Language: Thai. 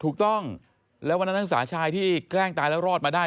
ถูกต้องแล้ววันนั้นนักศึกษาชายที่แกล้งตายแล้วรอดมาได้